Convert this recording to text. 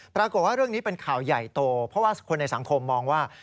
ปรากฏว่าเรื่องนี้เป็นข่าวใหญ่โตเพราะว่าคนในสังคมมองว่า